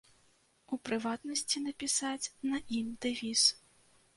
У прыватнасці, напісаць на ім дэвіз.